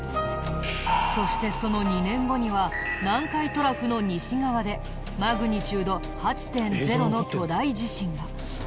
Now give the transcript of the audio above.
そしてその２年後には南海トラフの西側でマグニチュード８．０の巨大地震が。